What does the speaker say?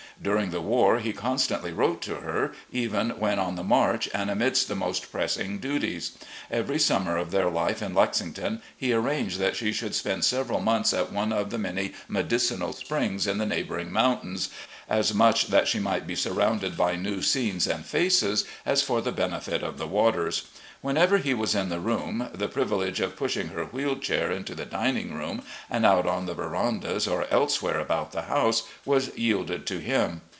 During the war he constantly wrote to her, even when on the march and amidst the most pressing duties. Every siunmer of their life in Lexington he arranged that she should spend several months at one of the many me dicinal springs in the neighbouring moimtains, as much that she might be surroimded by new scenes and faces, as for the benefit of the waters. Whenever he was in the room, the privilege of pushing her wheeled chair into the dining room and out on the verandas or elsewhere about the house was yielded to him.